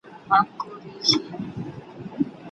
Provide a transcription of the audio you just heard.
د بریا ډالۍ یوازي مستحقو کسانو ته نه سي سپارل کېدلای.